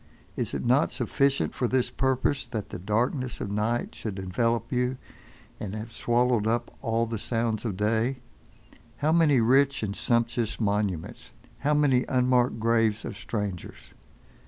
Is it not sufficient for this purpose, that the darkness of night should envelop you, and have swallowed up all the sounds of day? How many rich and sumptuous monuments! How many unmarked graves of strangers!